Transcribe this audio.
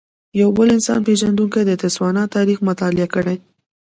یو بل انسان پېژندونکی د تسوانا تاریخ مطالعه کړی.